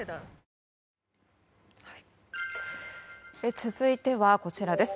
続いてはこちらです。